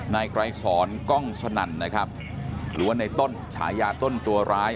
นายไกรสอนกล้องสนั่นนะครับหรือว่าในต้นฉายาต้นตัวร้าย